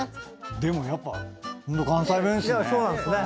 でもやっぱ関西弁っすね。